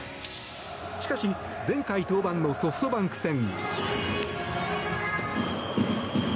しかし、前回登板のソフトバンク戦。